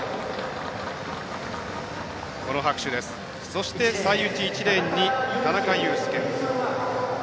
そして最内、１レーンに田中佑典。